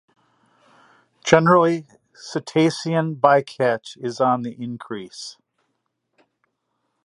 Generally cetacean bycatch is on the increase.